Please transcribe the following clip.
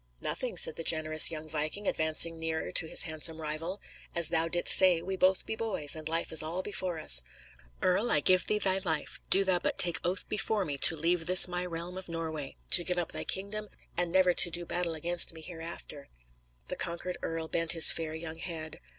"Nothing," said the generous young viking, advancing nearer to his handsome rival. "As thou didst say, we both be boys, and life is all before us. Earl, I give thee thy life, do thou but take oath before me to leave this my realm of Norway, to give up thy kingdom, and never to do battle against me hereafter." The conquered earl bent his fair young head.